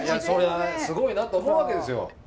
そりゃあすごいなと思うわけですよ。